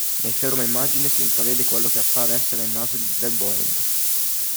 Nei fermo-immagine si intravede quello che appare essere il 'naso' del Boeing.